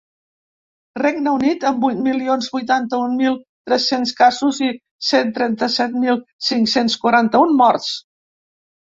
Regne Unit, amb vuit milions vuitanta-un mil tres-cents casos i cent trenta-set mil cinc-cents quaranta-un morts.